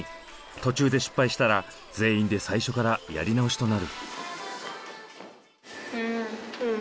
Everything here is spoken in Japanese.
途中で失敗したら全員で最初からやり直しとなる。